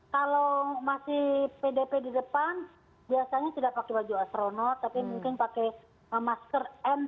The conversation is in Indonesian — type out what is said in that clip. kalau masih pdp di depan biasanya tidak pakai baju astronot tapi mungkin pakai masker n sembilan puluh